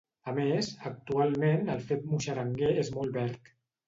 A més, actualment el fet muixeranguer és molt verd.